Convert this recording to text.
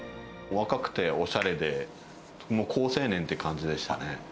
若くておしゃれで、もう好青年って感じでしたね。